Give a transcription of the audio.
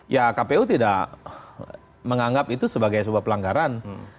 ya kpu tidak menganggap itu sebagai sebuah pelanggaran